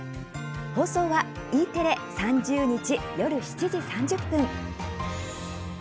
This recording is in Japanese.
放送はＥテレ３０日、夜７時３０分。